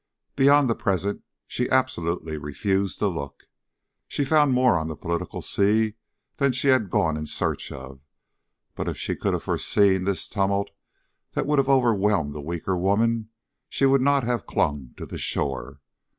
Beyond the present she absolutely refused to look. She had found more on the political sea than she had gone in search of, but if she could have foreseen this tumult that would have overwhelmed a weaker woman, she would not have clung to the shore.